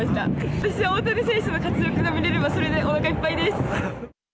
私は大谷選手の活躍が見れれば、それでおなかいっぱいです。